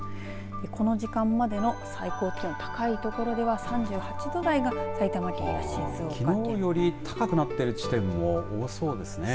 この時間までの最高気温高いところでは３８度台が埼玉県や静岡県きのうより高くなっている地点も多そうですね。